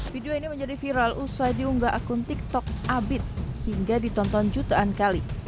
video ini menjadi viral usai diunggah akun tiktok abit hingga ditonton jutaan kali